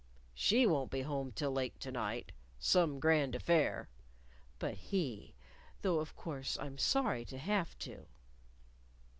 She won't be home till late to night ... some grand affair. But he ... though of course I'm sorry to have to."